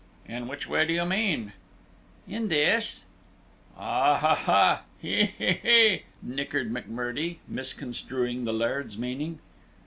"In which way do you mean?" "In this." "Aha ha ha! Hee hee hee!" nichered McMurdie, misconstruing the Laird's meaning.